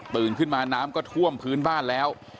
ขึ้นมาน้ำก็ท่วมพื้นบ้านแล้ว